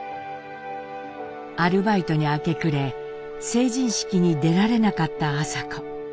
アルバイトに明け暮れ成人式に出られなかった麻子。